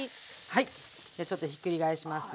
はいじゃあちょっとひっくり返しますね。